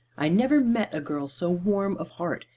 I never met a girl so warm of heart.